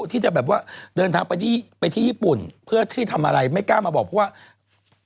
ที่จะแบบว่าเดินทางไปที่ญี่ปุ่นเพื่อที่ทำอะไรไม่กล้ามาบอกเพราะว่า